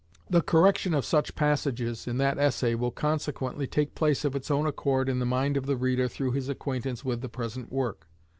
The correction of such passages in that essay will consequently take place of its own accord in the mind of the reader through his acquaintance with the present work.